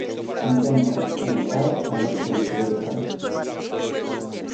Se encuentra ubicado al norte del río Luján.